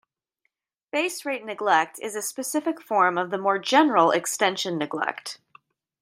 Base rate neglect is a specific form of the more general extension neglect.